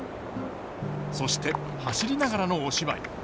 そして走りながらのお芝居。